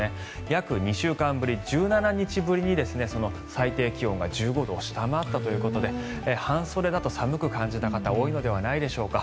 約２週間ぶり、１７日ぶりに最低気温が１５度を下回ったということで半袖だと寒く感じた方多いのではないでしょうか。